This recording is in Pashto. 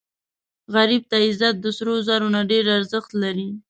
غریب ته عزت د سرو زرو نه ډېر ارزښت لري